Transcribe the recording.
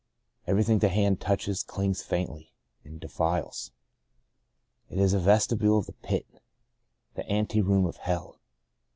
Everything the hand touches clings faintly, and defiles. It is a vestibule of the pit — the anteroom of hell.